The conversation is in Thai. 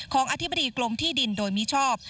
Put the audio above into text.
อธิบดีกรมที่ดินโดยมิชอบ